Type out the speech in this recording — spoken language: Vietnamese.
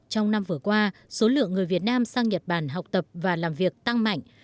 trong năm vừa qua số lượng người việt nam sang nhật bản học tập và làm việc tăng mạnh